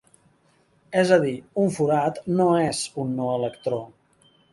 És a dir, un forat no és un no electró.